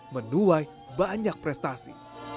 menuai banyak prestasi